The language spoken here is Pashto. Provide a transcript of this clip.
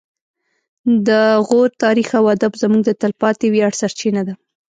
د غور تاریخ او ادب زموږ د تلپاتې ویاړ سرچینه ده